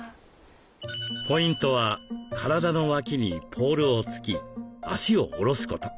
ポイントは体の脇にポールを突き脚を下ろすこと。